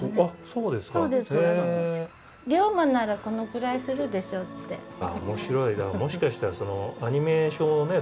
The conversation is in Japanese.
そうですかそうです龍馬ならこのくらいするでしょうって面白いなもしかしたらそのアニメーションをね